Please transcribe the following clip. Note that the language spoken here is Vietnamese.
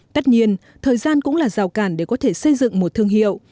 tất nhiên thời gian cũng là rào cản để có thể xây dựng một thương hiệu